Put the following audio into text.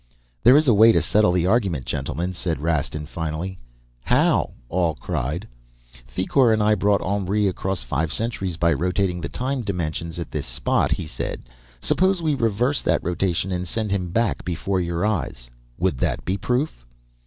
"'There is a way to settle the argument, gentlemen,' said Rastin finally. "'How?' all cried. "'Thicourt and I brought Henri across five centuries by rotating the time dimensions at this spot,' he said. 'Suppose we reverse that rotation and send him back before your eyes would that be proof?'